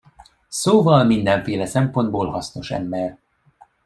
Szóval mindenféle szempontból hasznos ember.